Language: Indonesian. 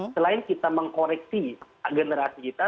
selain kita mengkoreksi generasi kita